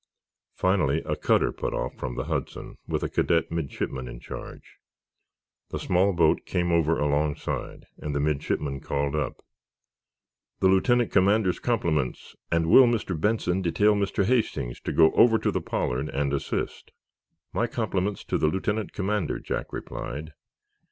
Finally, a cutter put off from the "Hudson," with a cadet midshipman in charge. The small boat came over alongside, and the midshipman called up: "The lieutenant commander's compliments, and will Mr. Benson detail Mr. Hastings to go over to the 'Pollard' and assist?" "My compliments to the lieutenant commander," Jack replied.